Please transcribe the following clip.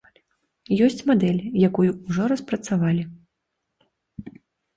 Ёсць мадэль, якую ужо распрацавалі.